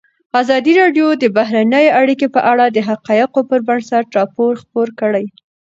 ازادي راډیو د بهرنۍ اړیکې په اړه د حقایقو پر بنسټ راپور خپور کړی.